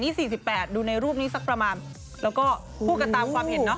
นี่๔๘ดูในรูปนี้สักประมาณแล้วก็พูดกันตามความเห็นเนาะ